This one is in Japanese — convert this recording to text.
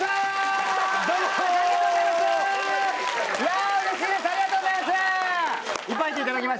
ありがとうございます！